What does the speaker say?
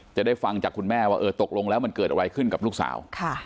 จะได้ฟังจากคุณแม่ว่าเออตกลงแล้วมันเกิดอะไรขึ้นกับลูกสาว